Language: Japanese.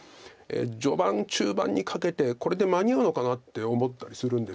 序盤中盤にかけてこれで間に合うのかなって思ったりするんですけど。